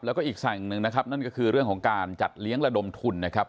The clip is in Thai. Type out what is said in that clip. แล้วก็อีกฝั่งหนึ่งนะครับนั่นก็คือเรื่องของการจัดเลี้ยงระดมทุนนะครับ